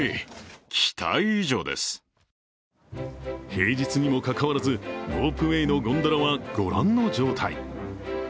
平日にもかかわらずロープウェイのゴンドラは、ご覧の状態。